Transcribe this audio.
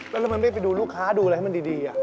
แล้วทำไมไม่ไปดูลูกค้าดูล่วนให้มันดีอย่างนี้